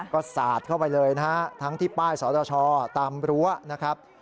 ก็สาดเข้าไปเลยนะฮะทั้งที่ป้ายสรชอตามรั้วนะครับ